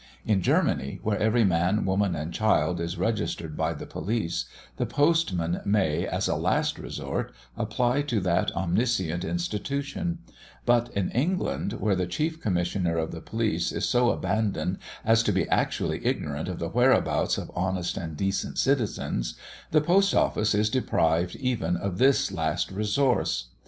In Germany, where every man, woman, and child is registered by the police, the postman may, as a last resource, apply to that omniscient institution; but in England, where the chief commissioner of the police is so abandoned as to be actually ignorant of the whereabouts of honest and decent citizens, the Post office is deprived even of this last resource.